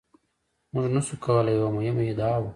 موږ نشو کولای یوه مهمه ادعا وکړو.